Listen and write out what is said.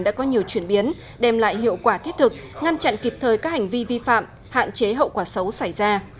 đã có nhiều chuyển biến đem lại hiệu quả thiết thực ngăn chặn kịp thời các hành vi vi phạm hạn chế hậu quả xấu xảy ra